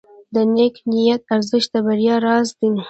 د نیک نیت ارزښت د بریا راز دی.